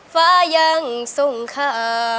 แวงยังส่งค้า